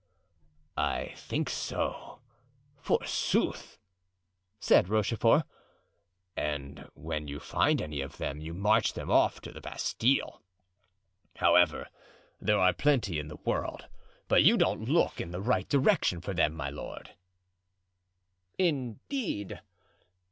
"I think so, forsooth," said Rochefort, "and when you find any of them, you march them off to the Bastile. However, there are plenty in the world, but you don't look in the right direction for them, my lord." "Indeed!